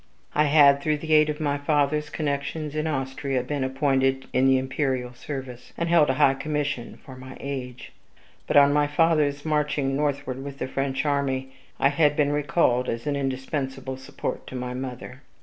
I had, through the aid of my father's connections in Austria, been appointed in the imperial service, and held a high commission for my age. But, on my father's marching northward with the French army, I had been recalled as an indispensable support to my mother.